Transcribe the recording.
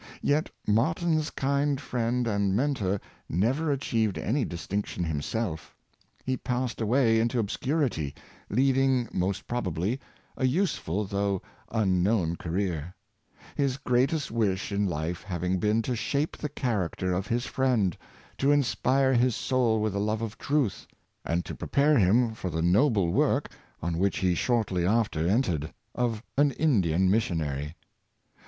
Yet Martyn 's kind friend and Mentor never achieved any distinction himself; he passed away into obscurity, leading, most probably, a useful though an unknown career; his greatest wish in life having been to shape the character of his friend, to inspire his soul with the love of truth, and to prepare him for the noble work, on which he shortly after en tered, of an Indian missionary.